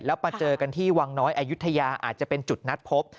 แล้วมาเจอกันที่วังน้อยอายุทยาอาจจะเป็นจุดนัดพบ